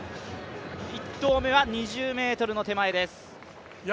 １投目は２０ｍの手前です。